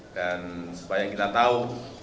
dan supaya kita tahu